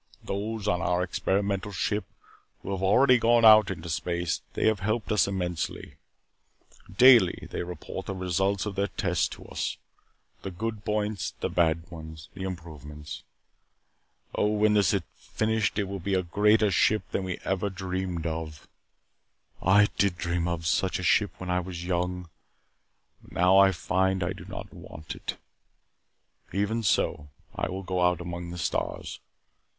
Those on our experimental ship who have already gone out into space, they have helped us immensely. Daily they report the results of their tests to us. The good points the bad ones the improvements. Oh, when this is finished it will be a greater ship than we ever dreamed of. I did dream of such a ship when I was young. But now I find that I do not want it. Even so, I will go out among the stars.